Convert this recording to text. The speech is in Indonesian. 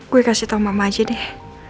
gue kasih tau mama aja deh